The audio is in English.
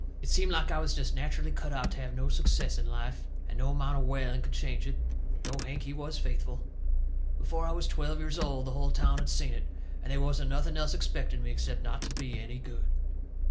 It seemed like I was jest natcherally cut out to have no success in life, and no amount of whaling could change it, though Hank, he was faithful. Before I was twelve years old the hull town had seen it, and they wasn't nothing else expected of me except not to be any good.